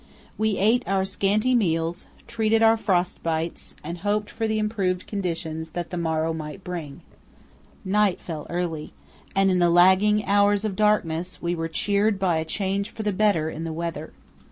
We ate our scanty meals, treated our frost bites, and hoped for the improved conditions that the morrow might bring. Night fell early, and in the lagging hours of darkness we were cheered by a change for the better in the weather.